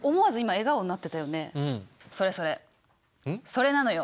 それなのよ。